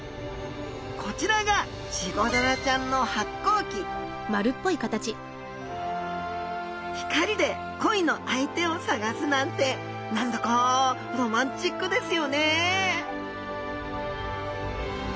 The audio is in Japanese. こちらがチゴダラちゃんの発光器光で恋の相手を探すなんて何だかロマンチックですよねえ